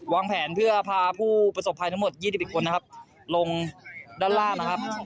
วางแผนเพื่อพาผู้ประสบภัยทั้งหมด๒๐คนลงด้านล่าง